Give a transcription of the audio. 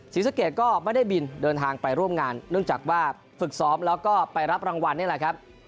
ศรีสะเกดก็ไม่ได้บินเดินทางไปร่วมงานเนื่องจากว่าฝึกซ้อมแล้วก็ไปรับรางวัลนี่แหละครับ